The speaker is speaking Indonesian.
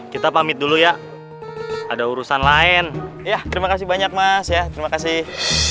kita pamit dulu ya ada urusan lain ya terima kasih banyak mas ya terima kasih